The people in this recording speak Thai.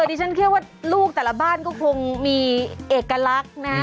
ดิฉันเชื่อว่าลูกแต่ละบ้านก็คงมีเอกลักษณ์นะ